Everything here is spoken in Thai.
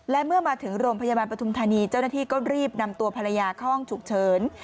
และเมื่อมาถึงโรงพยาบาลปฐุมธานีเจ้าหน้าที่ก็รีบนำตัวภรรยาเข้าห้องฉุกเฉิน